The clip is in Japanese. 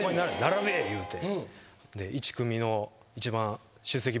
言うて。